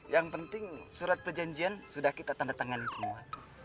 yang penting surat perjanjian sudah kita tanda tangan semua